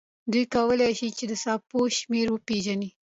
دوی کولی شي چې د څپو شمېر وپیژني.